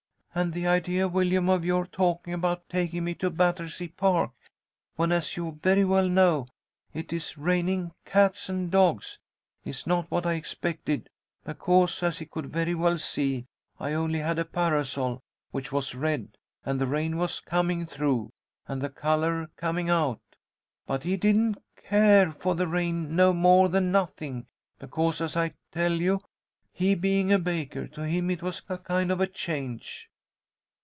And the idea, Willyum, of your talking about taking me to Battersea Park, when, as you very well know, it is raining cats and dogs, is not what I expected' because, as he could very well see, I only had a parasol, which was red, and the rain was coming through, and the colour coming out. But he didn't care for the rain no more than nothing; because, as I tell you, he being a baker, to him it was a kind of a change.